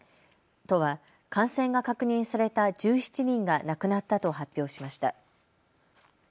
都は感染が確認された１７人が亡くなったと発表しました。